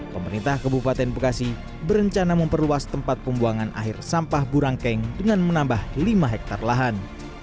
pemerintah kabupaten bekasi berencana memperluas tempat pembuangan akhir sampah burangkeng dengan menambah lima hektare lahan